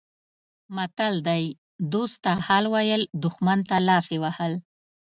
متل دی: دوست ته حال ویل دښمن ته لافې وهل